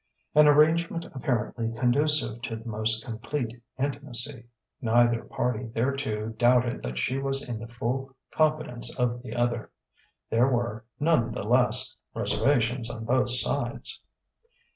An arrangement apparently conducive to the most complete intimacy; neither party thereto doubted that she was in the full confidence of the other. There were, none the less, reservations on both sides.